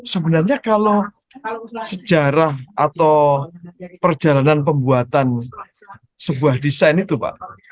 sebenarnya kalau sejarah atau perjalanan pembuatan sebuah desain itu pak